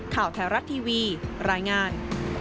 ข่าวไทรรัตน์ทีวีรายงาน